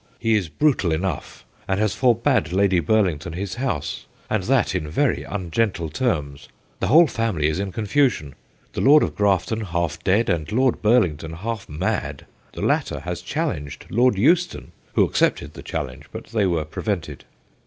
He is brutal enough, and has forbad Lady Burlington his house, and that in very ungentle terms. The whole family is in confusion ; the Duke of Grafton half dead, and Lord Burlington half mad. The latter has challenged Lord Euston, who accepted the challenge, but they were prevented.